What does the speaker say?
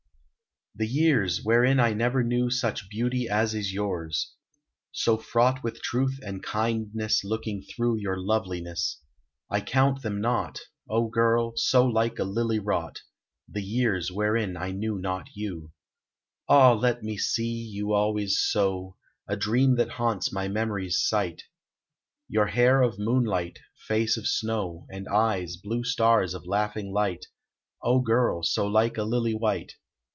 The years, wherein I never knew Such beauty as is yours, so fraught With truth and kindness looking through Your loveliness, I count them naught, O girl, so like a lily wrought! The years wherein I knew not you. Ah, let me see you always so! A dream that haunts my memory's sight Your hair of moonlight, face of snow, And eyes, blue stars of laughing light, O girl, so like a lily white!